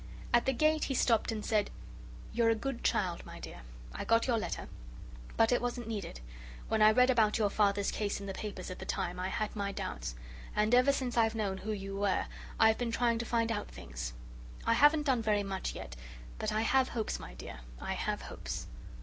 At the gate he stopped and said: "You're a good child, my dear I got your letter. But it wasn't needed. When I read about your Father's case in the papers at the time, I had my doubts. And ever since I've known who you were, I've been trying to find out things. I haven't done very much yet. But I have hopes, my dear I have hopes."